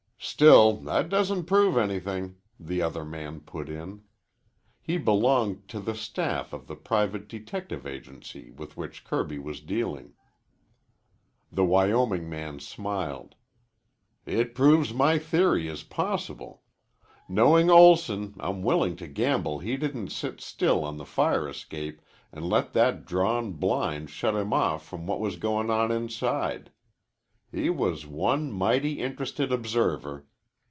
"Still, that don't prove anything," the other man put in. He belonged to the staff of the private detective agency with which Kirby was dealing. The Wyoming man smiled. "It proves my theory is possible. Knowing Olson, I'm willin' to gamble he didn't sit still on the fire escape an' let that drawn blind shut him off from what was goin' on inside. He was one mighty interested observer.